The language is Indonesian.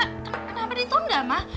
kenapa ditunda ma